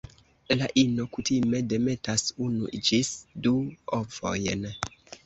La ino kutime demetas unu ĝis du ovojn.